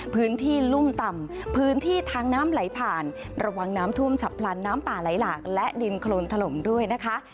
พื้นที่รุ่มต่ำพื้นที่ทางน้ำไหลผ่านระวังน้ำท่วมฉับพลันน้ำป่าไหลหลากและดินโครนถล่มด้วยนะคะ